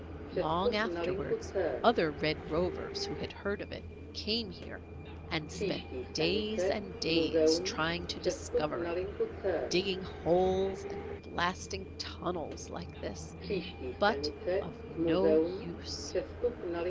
Long afterwards, other Red Rovers who had heard of it, came here and spent days and days trying to discover it; digging holes and blasting tunnels like this, but of no use!